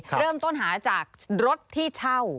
เริ่มต้นหาจากรถที่เช่า